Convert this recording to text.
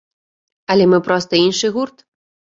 Але мы проста іншы гурт.